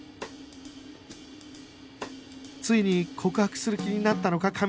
ついに告白する気になったのか？